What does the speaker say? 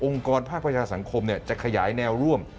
กรภาคประชาสังคมจะขยายแนวร่วม